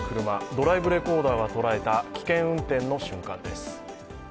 ドライブレコーダーが捉えた危険運転の瞬間です。